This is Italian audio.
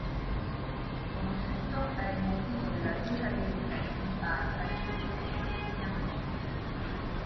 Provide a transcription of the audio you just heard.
Sconosciuto è il motivo della decadenza e scomparsa di questo ricco insediamento.